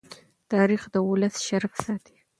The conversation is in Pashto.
تاریخ د ولس شرف ساتي.